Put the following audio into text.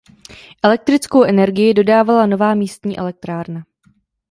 Elektrickou energii dodávala nová místní elektrárna.